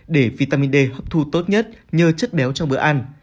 để vitamin d hấp thu tốt nhất nhờ chất béo trong bữa ăn